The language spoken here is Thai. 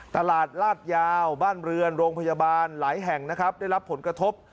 ตลาดลาดยาวบ้านเรือนโรงพยาบาลหลายแห่งนะครับได้รับผลกระทบ